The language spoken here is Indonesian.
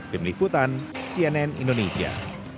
demikian cnn indonesia